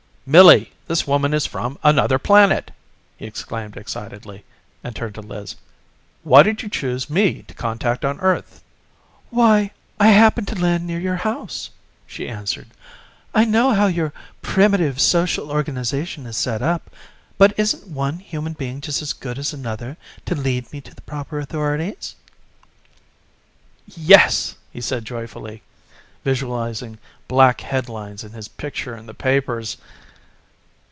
"Millie, this woman is from another planet!" he exclaimed excitedly, and turned to Liz. "Why did you choose me to contact on Earth?" "Why, I happened to land near your house," she answered. "I know how your primitive social organization is set up, but isn't one human being just as good as another to lead me to the proper authorities?" "Yes," he said joyfully, visualizing black headlines and his picture in the papers.